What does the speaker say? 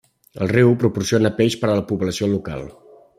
El riu proporciona peix per a la població local.